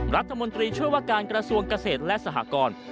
รัฐมนตรีช่วยว่าการกระทรวงเกษตรและสหกร